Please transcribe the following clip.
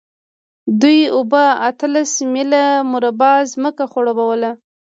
دې اوبو اتلس میله مربع ځمکه خړوبوله.